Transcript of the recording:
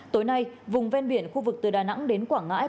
tối nay vùng ven biển khu vực từ đà nẵng đến quảng ngãi